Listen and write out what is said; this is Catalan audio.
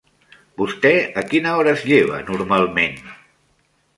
Vostè a quina hora es lleva normalment?